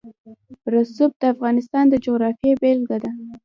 رسوب د افغانستان د جغرافیې بېلګه ده.